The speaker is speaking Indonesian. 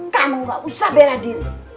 kamu gak usah bela diri